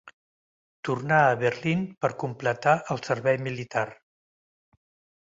Tornar a Berlín per completar el servei militar.